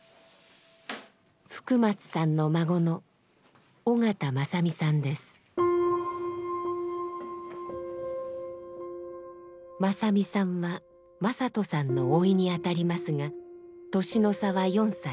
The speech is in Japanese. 福松さんの孫の正実さんは正人さんの甥に当たりますが年の差は４歳。